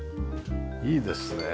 いいですねえ。